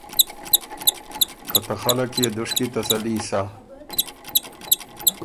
که ته خلق يې دشکی تسلي سَۀ۔